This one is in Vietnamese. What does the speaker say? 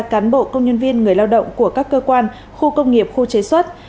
cán bộ công nhân viên người lao động của các cơ quan khu công nghiệp khu chế xuất